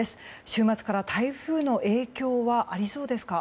週末から台風の影響はありそうですか？